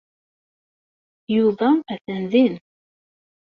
Yuba atan din.